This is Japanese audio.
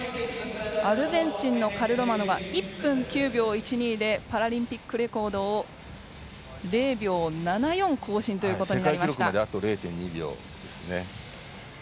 アルゼンチンのカルロマノは１分９秒１２でパラリンピックレコードを０秒７４更新となりました。